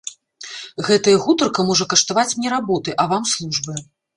Гэтая гутарка можа каштаваць мне работы, а вам службы.